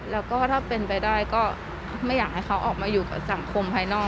แล้วก็ถ้าเป็นไปได้ก็ไม่อยากให้เขาออกมาอยู่กับสังคมภายนอก